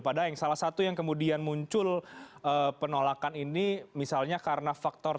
padaeng salah satu yang kemudian muncul penolakan ini misalnya karena faktornya